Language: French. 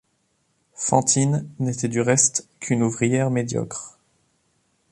Fantine n’était du reste qu’une ouvrière médiocre.